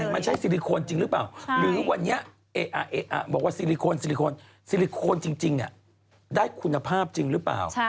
มันใช้ซิลิโคนจริงหรือเปล่าหรือวันนี้บอกว่าซิลิโคนซิลิโคนจริงได้คุณภาพจริงหรือเปล่า